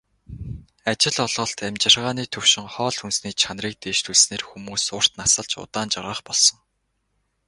Ажил олголт, амьжиргааны түвшин, хоол хүнсний чанарыг дээшлүүлснээр хүмүүс урт насалж, удаан жаргах болсон.